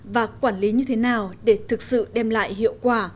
và quản lý như thế nào để thực sự đem lại hiệu quả